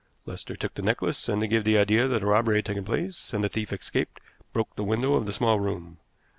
Lester took the necklace, and, to give the idea that a robbery had taken place, and the thief escaped, broke the window of the small room.